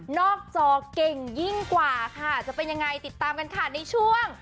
จอเก่งยิ่งกว่าค่ะจะเป็นยังไงติดตามกันค่ะในช่วง